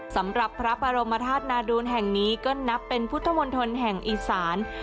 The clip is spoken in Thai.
สำหรับพระปรมาธาตุนาดูนแห่งนี้นับเป็นผู้ธรรมทนแห่งอีสาน